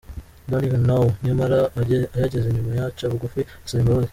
Don't Even Know" nyamara ayageze nyuma aca bugufi asaba imbabazi.